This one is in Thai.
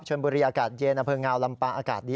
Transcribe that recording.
ชนบุรีอากาศเย็นอำเภองาวลำปางอากาศดี